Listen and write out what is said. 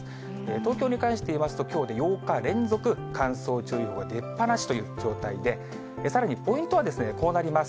東京に関していいますと、きょうで８日連続、乾燥注意報が出っ放しという状態で、さらにポイントはこうなります。